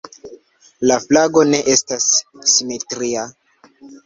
La flago ne estas simetria.